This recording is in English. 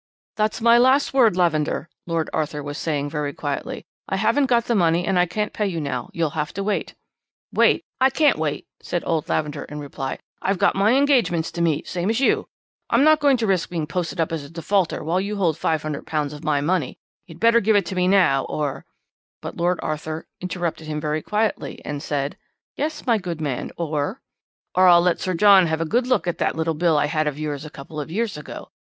"'That's my last word, Lavender,' Lord Arthur was saying very quietly. 'I haven't got the money and I can't pay you now. You'll have to wait.' "'Wait? I can't wait,' said old Lavender in reply. 'I've got my engagements to meet, same as you. I'm not going to risk being posted up as a defaulter while you hold £500 of my money. You'd better give it me now or ' "But Lord Arthur interrupted him very quietly, and said: "'Yes, my good man.... or?' "'Or I'll let Sir John have a good look at that little bill I had of yours a couple of years ago.